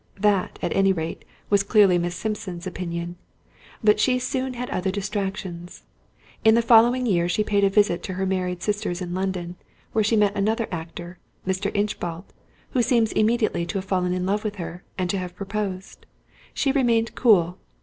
That, at any rate, was clearly Miss Simpson's opinion; but she soon had other distractions. In the following year she paid a visit to her married sisters in London, where she met another actor, Mr. Inchbald, who seems immediately to have fallen in love with her, and to have proposed. She remained cool.